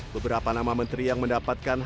beberapa nama menteri yang mendapatkan